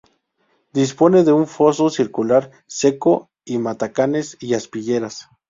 Dispone de un foso circular seco y matacanes y aspilleras.